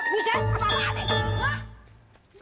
buset apa apaan ini